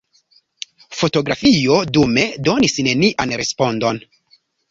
Fotografio dume donis nenian respondon.